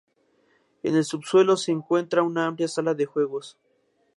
En el subsuelo se encuentra una amplia sala de juegos.